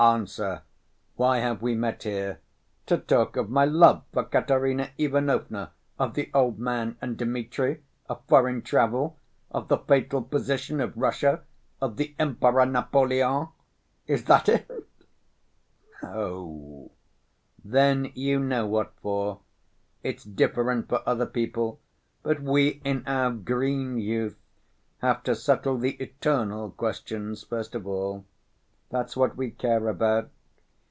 Answer: why have we met here? To talk of my love for Katerina Ivanovna, of the old man and Dmitri? of foreign travel? of the fatal position of Russia? Of the Emperor Napoleon? Is that it?" "No." "Then you know what for. It's different for other people; but we in our green youth have to settle the eternal questions first of all. That's what we care about.